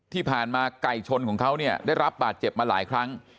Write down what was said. ไก่ชนของเขาเนี่ยได้รับบาดเจ็บมาหลายครั้ง